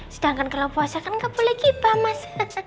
sedangkan kalau puasa kan gak boleh kipah mas